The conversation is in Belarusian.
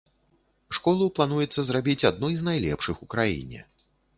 Школу плануецца зрабіць адной з найлепшых у краіне.